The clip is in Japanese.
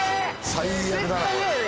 最悪だな